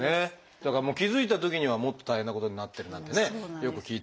だからもう気付いたときにはもっと大変なことになってるなんてねよく聞いたりしますけれど。